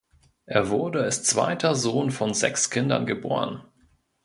Er wurde als zweiter Sohn von sechs Kindern geboren.